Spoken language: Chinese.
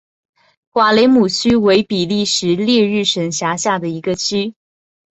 瓦雷姆区为比利时列日省辖下的一个区。